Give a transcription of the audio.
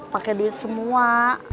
pakai duit semua